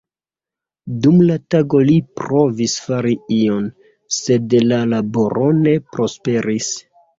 Dum la tago li provis fari ion, sed la laboro ne prosperis.